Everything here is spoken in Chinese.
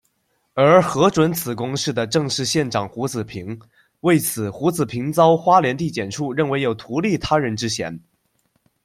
而核准此公事的正是县长胡子萍，为此胡子萍遭花莲地检处认为有「图利他人」之嫌。